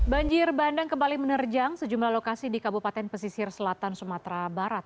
banjir bandang kembali menerjang sejumlah lokasi di kabupaten pesisir selatan sumatera barat